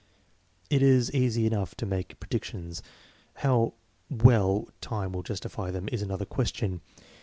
It is easy enough to make predictions. How well time will justify them is another question.